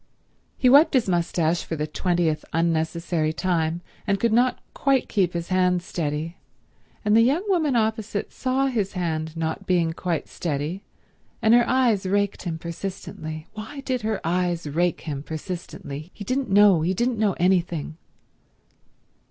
He wiped his moustache for the twentieth unnecessary time, and could not quite keep his hand steady, and the young woman opposite saw his hand not being quite steady, and her eyes raked him persistently. Why did her eyes rake him persistently? He didn't know; he didn't know anything.